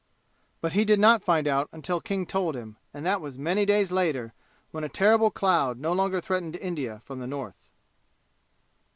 But he did not find out until King told him, and that was many days later, when a terrible cloud no longer threatened India from the North.